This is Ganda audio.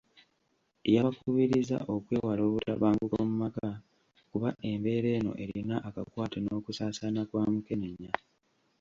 Yabakubirizza okwewala obutabanguko mu maka kuba embeera eno erina akakwate n’okusaasaana kwa Mukenenya.